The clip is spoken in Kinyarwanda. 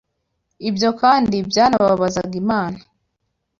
Ibyo kandi byanababazaga Imana.